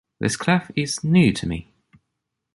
This clef is new to me.